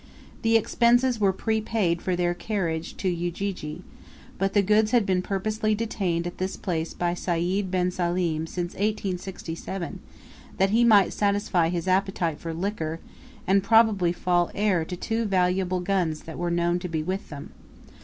The expenses were prepaid for their carriage to Ujiji, but the goods had been purposely detained at this place by Sayd bin Salim since 1867 that he might satisfy his appetite for liquor, and probably fall heir to two valuable guns that were known to be with them.